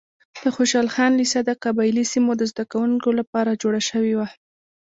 د خوشحال خان لیسه د قبایلي سیمو د زده کوونکو لپاره جوړه شوې وه.